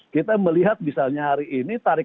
kita melihat misalnya hari ini tarik